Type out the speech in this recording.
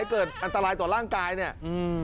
เกิดอันตรายต่อร่างกายเนี่ยอืม